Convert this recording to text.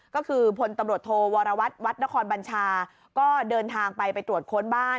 ก็คือพลตำรวจโทวรวัตรวัดนครบัญชาก็เดินทางไปไปตรวจค้นบ้าน